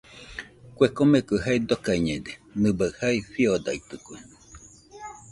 Kue komekɨ jae dokaiñede, nɨbai jae fiodaitɨkue.